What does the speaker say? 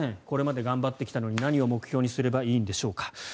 これまで頑張ってきたのに何を目標にすればいいんでしょうか。